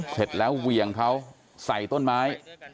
เสร็จแล้วเหวี่ยงเขาใส่ต้นไม้